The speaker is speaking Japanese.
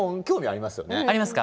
ありますか？